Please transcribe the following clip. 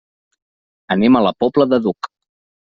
Anem a la Pobla del Duc.